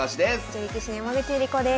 女流棋士の山口恵梨子です。